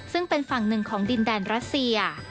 ซึ่งเป็นฝั่งหนึ่งของดินแดนรัสเซีย